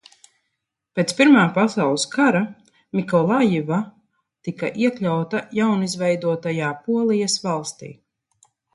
Pēc Pirmā pasaules kara Mikolajiva tika iekļauta jaunizveidotajā Polijas valstī.